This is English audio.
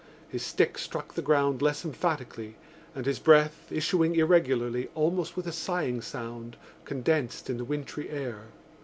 His stick struck the ground less emphatically and his breath, issuing irregularly, almost with a sighing sound, condensed in the wintry air.